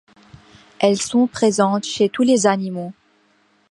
Elles sont présentes chez tous les animaux.